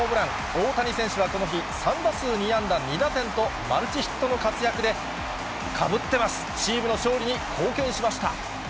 大谷選手はこの日、３打数２安打２打点と、マルチヒットの活躍で、かぶってます、チームの勝利に貢献しました。